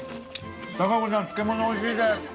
孝子さん、漬物おいしいです。